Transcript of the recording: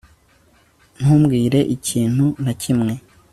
Ntumbwire ikintu na kimwe